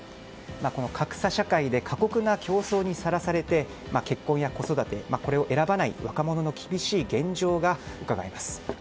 この格差社会で過酷な競争にさらされて結婚や子育てを選ばない若者の厳しい現状がうかがえます。